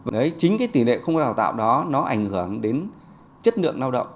đấy chính cái tỷ lệ không có đào tạo đó nó ảnh hưởng đến chất lượng lao động